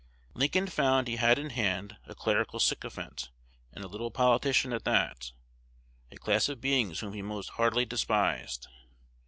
Lincoln found he had in hand a clerical sycophant, and a little politician at that, a class of beings whom he most heartily despised.